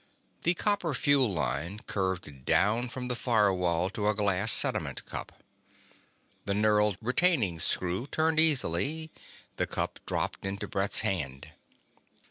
The copper fuel line curved down from the firewall to a glass sediment cup. The knurled retaining screw turned easily; the cup dropped into Brett's hand.